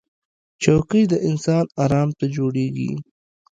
چوکۍ د انسان ارام ته جوړېږي